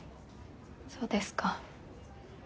そうですか。